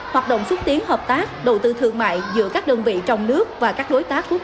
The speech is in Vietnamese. hoạt động xúc tiến hợp tác đầu tư thương mại giữa các đơn vị trong nước và các đối tác quốc tế